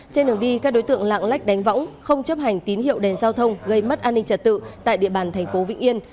trên đường đi các đối tượng lạng lách đánh võng không chấp hành tín hiệu đèn giao thông gây mất an ninh trật tự tại địa bàn thành phố vĩnh yên